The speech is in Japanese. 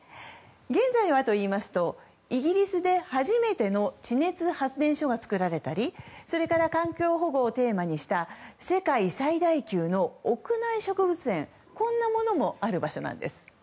現在は、イギリスで初めての地熱発電所が作られたりそれから環境保護をテーマにした世界最大級の屋内植物園、こんなものもある場所なんです。